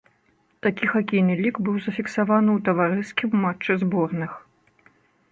Такі хакейны лік быў зафіксаваны ў таварыскім матчы зборных.